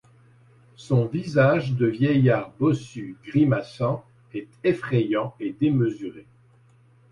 Son visage de vieillard bossu, grimaçant, est effrayant et démesuré.